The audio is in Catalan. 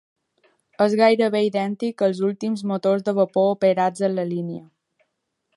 És gairebé idèntic als últims motors de vapor operats en la línia.